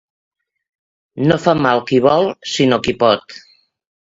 No fa mal qui vol, sinó qui pot.